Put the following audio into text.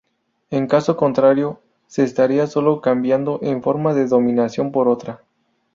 En caso contrario, se estaría sólo cambiando una forma de dominación por otra.